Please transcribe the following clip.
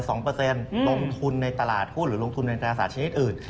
ลงทุนในตลาดหุ้นหรือลงทุนในตราศาสตชนิดอื่น